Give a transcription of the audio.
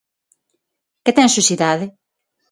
Que ten sucidade.